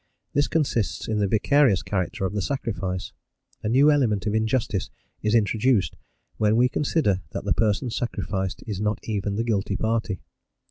This consists in the vicarious character of the sacrifice: a new element of injustice is introduced when we consider that the person sacrificed is not even the guilty party.